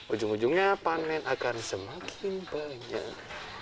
ujung ujungnya panen akan semakin banyak